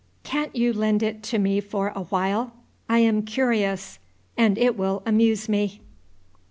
Can't you lend it to me for a while? I am curious, and it will amuse me.